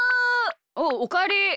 おうおかえり。